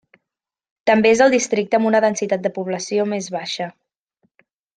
També és el districte amb una densitat de població més baixa.